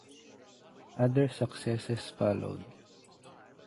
Other successes followed.